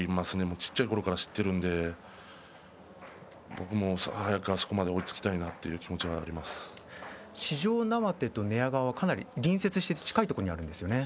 小っちゃいころから知っているので僕も早くあそこまで追いつきたい四條畷と寝屋川はかなり隣接して近いところにあるんですよね。